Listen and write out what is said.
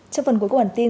trong phần cuối của bản tin